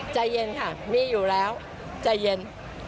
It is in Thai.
ใจเย็นค่ะมีอยู่แล้วใจเย็น